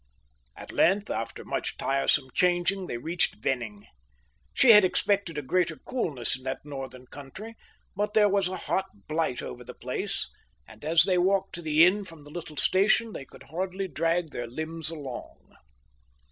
At length, after much tiresome changing, they reached Venning. She had expected a greater coolness in that northern country; but there was a hot blight over the place, and, as they walked to the inn from the little station, they could hardly drag their limbs along.